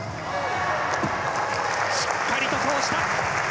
しっかりと通した。